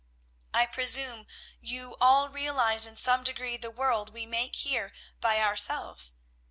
"I presume you all realize in some degree the world we make here by ourselves.